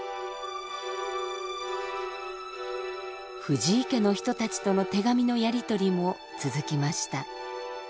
藤井家の人たちとの手紙のやり取りも続きました。